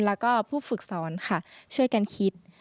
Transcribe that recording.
แล้วก็ควบฝึกศูนย์ค่ะช่วยการคิด